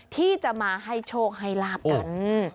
ที่จะมาให้โชคให้ลาบกัน